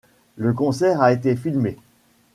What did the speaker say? Le concert a été filmé.